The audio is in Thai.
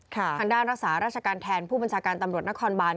ทางด้านรักษาราชการแทนผู้บัญชาการตำรวจนครบาน